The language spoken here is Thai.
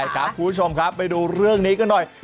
คุณผู้ชมครับไปดูเรื่องนี้กันหน่อย